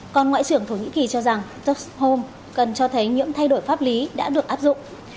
còn ngoại trưởng thổ nhĩ kỳ cho rằng tok home cần cho thấy những thay đổi pháp lý đã được áp dụng